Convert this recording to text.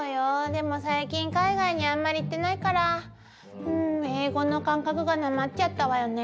でも最近海外にあんまり行ってないから英語の感覚がなまっちゃったわよね。